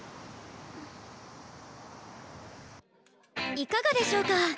いかがでしょうか？